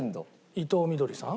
伊藤みどりさん。